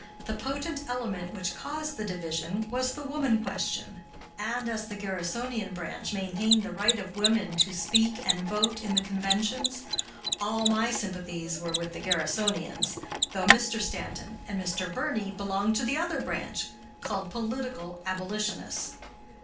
The potent element which caused the division was the woman question, and as the Garrisonian branch maintained the right of women to speak and vote in the conventions, all my sympathies were with the Garrisonians, though Mr. Stanton and Mr. Birney belonged to the other branch, called political abolitionists.